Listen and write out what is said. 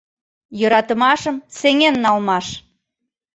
ЙӦРАТЫМАШЫМ СЕҤЕН НАЛМАШ